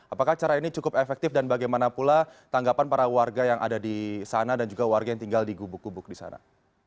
apakah cara ini cukup efektif dan bagaimana pula tanggapan para warga yang ada di sana dan juga warga yang tinggal di gubuk gubuk di sana